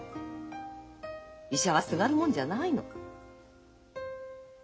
医者はすがるもんじゃないの。